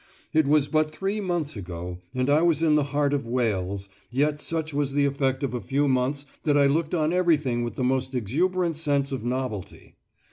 It was but three months ago, and I was in the heart of Wales, yet such was the effect of a few months that I looked on everything with the most exuberant sense of novelty.